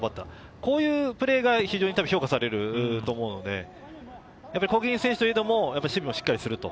こういうプレーが非常に評価されると思うので、攻撃の選手でも守備をしっかりする。